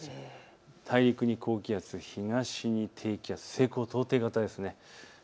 冬型の気圧配置、大陸に高気圧東に低気圧、西高東低型ですね。